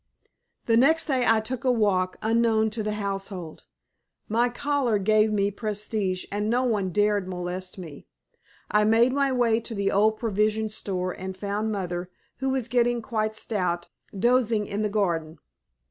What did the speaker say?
The next day I took a walk, unknown to the household. My collar gave me prestige and no one dared molest me. I made my way to the old provision store and found mother, who was getting quite stout, dozing in the garden.